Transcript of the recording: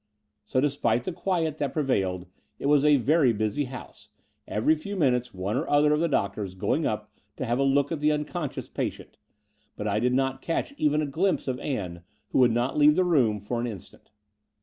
So, despite the quiet that prevailed, it was a very busy house, every few minutes one or other of the doctors going up to have a look at the unconscious patient; but I did not catch even a glimpse of Ann, who would not leave the room for an instant.